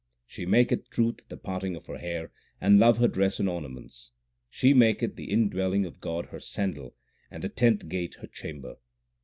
She maketh truth the parting of her hair, and love her dress and ornaments. She maketh the indwelling 2 of God her sandal, and the tenth gate her chamber.